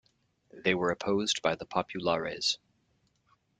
They were opposed by the populares.